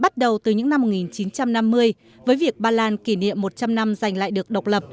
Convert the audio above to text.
bắt đầu từ những năm một nghìn chín trăm năm mươi với việc ba lan kỷ niệm một trăm linh năm giành lại được độc lập